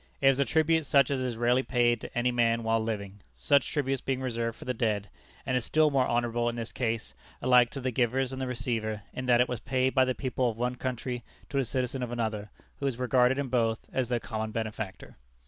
It was a tribute such as is rarely paid to any man while living such tributes being reserved for the dead and is still more honorable in this case, alike to the givers and the receiver, in that it was paid by the people of one country to a citizen of another, who was regarded in both as their common benefactor.